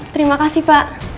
terima kasih pak